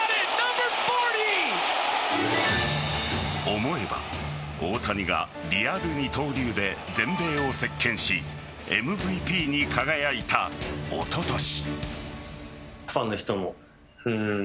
思えば、大谷がリアル二刀流で全米を席巻しＭＶＰに輝いたおととし。